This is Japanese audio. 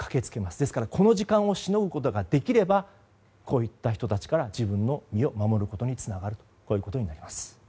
ですから、この時間をしのぐことをできればこういった人たちから自分の身を守ることにつながるということになります。